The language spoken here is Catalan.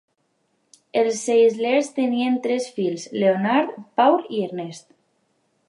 Els Zeislers tenien tres fills: Leonard, Paul i Ernest.